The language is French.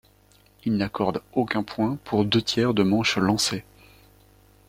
Il n'accorde aucun point pour deux tiers de manches lancées.